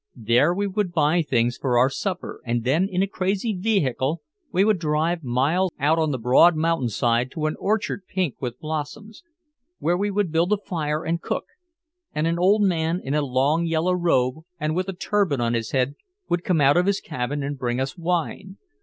There we would buy things for our supper and then in a crazy vehicle we would drive miles out on the broad mountainside to an orchard pink with blossoms, where we would build a fire and cook, and an old man in a long yellow robe and with a turban on his head would come out of his cabin and bring us wine.